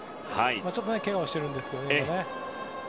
ちょっとけがしてるんですけど。